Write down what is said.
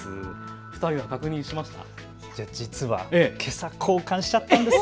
２人は確認しましたか。